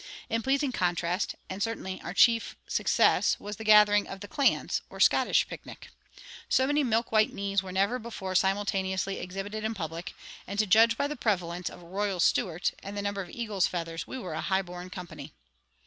In pleasing contrast, and certainly our chief success, was "The Gathering of the Clans," or Scottish picnic. So many milk white knees were never before simultaneously exhibited in public, and to judge by the prevalence of "Royal Stewart" and the number of eagle's feathers, we were a high born company.